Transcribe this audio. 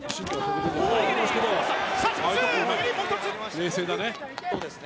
冷静だね。